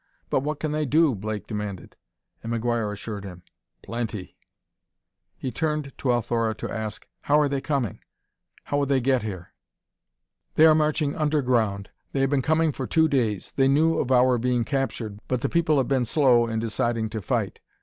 "But what can they do?" Blake demanded. And McGuire assured him: "Plenty!" He turned to Althora to ask, "How are they coming? How will they get here?" "They are marching underground; they have been coming for two days. They knew of our being captured, but the people have been slow in deciding to fight.